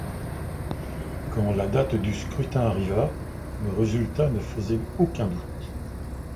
Quand la date du scrutin arriva, le résultat ne faisait aucun doute.